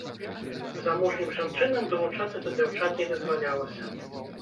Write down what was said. Замужнім жанчынам далучацца да дзяўчат не дазвалялася.